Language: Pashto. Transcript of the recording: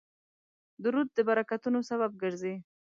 درود د برکتونو سبب ګرځي